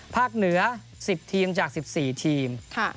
เหนือ๑๐ทีมจาก๑๔ทีม